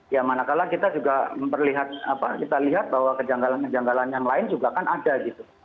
ya mana kala kita juga memperlihat apa kita lihat bahwa kejanggalan kejanggalan yang lain juga kan ada gitu